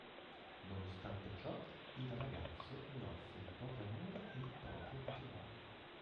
Nonostante ciò, il ragazzo le offre il proprio amore e il proprio patrimonio.